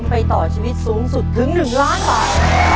ไปต่อชีวิตสูงสุดถึง๑ล้านบาท